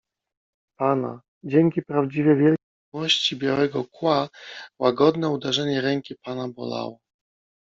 pana. Dzięki prawdziwie wielkiej miłości Białego Kła łagodne uderzenie ręki pana bolało